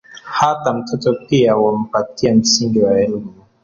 "Hata mtoto pia wampatia msingi wa elmu"